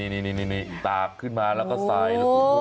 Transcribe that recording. นี่ตากขึ้นมาแล้วก็ใส่